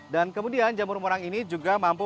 dan kemudian jamur merang ini juga mampu